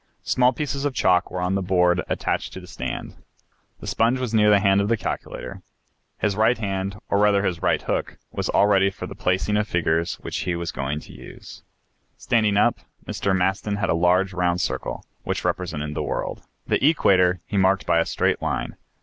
Small pieces of chalk were on the board attached to the stand. The sponge was near the hand of the calculator. His right hand, or rather his right hook, was all ready for the placing of figures which he was going to use. Standing up, Mr. Maston made a large round circle, which represented the world. The equator he marked by a straight line.